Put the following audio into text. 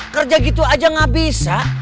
kerja gitu aja gak bisa